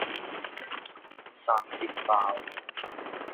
生煎包